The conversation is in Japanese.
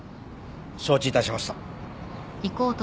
承知いたしました。